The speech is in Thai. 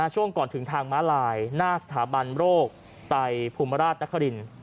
ช่วงก่อนถึงทางม้าลายหน้าสถาบันโรคไตภูมิราชนคริน